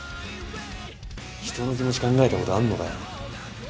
人の気持ち考えたことあんのかよ？